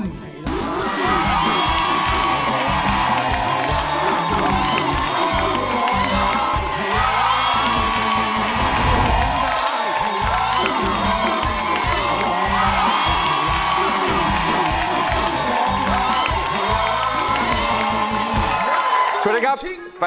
โดยผู้เข้าแข่งขันมีสิทธิ์ใช้ตัวช่วยคนละ๑ใน๓แผ่นป้ายได้แก่